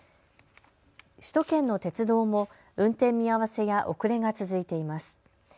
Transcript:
首都圏の鉄道も運転見合わせや遅れが続いています。